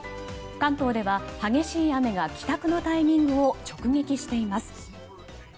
関東では激しい雨が帰宅のタイミングを直撃しています。